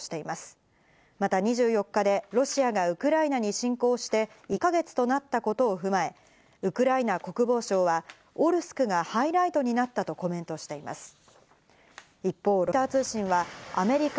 また２４日でロシアがウクライナに侵攻して１か月となったことを踏まえ、ウクライナ国防省は、オルスクがハイライトになったとコメントしています。